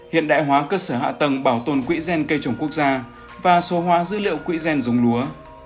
hiện đại hóa cơ sở hạ tầng bảo tồn quỹ gen cây trồng quốc gia và số hóa dữ liệu quỹ gen dùng lúa